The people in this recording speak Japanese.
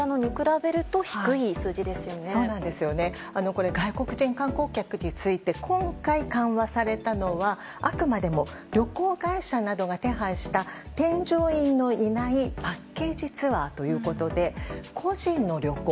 これ、外国人観光客について今回緩和されたのは、あくまでも旅行会社などが手配した添乗員のいないパッケージツアーということで個人の旅行